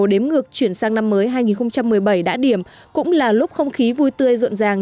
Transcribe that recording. đếm ngược chuyển sang năm mới hai nghìn một mươi bảy đã điểm cũng là lúc không khí vui tươi rộn ràng